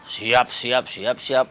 siap siap siap siap